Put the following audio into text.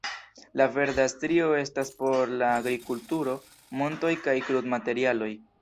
La verda strio estas por la agrikulturo, montoj kaj krudmaterialoj.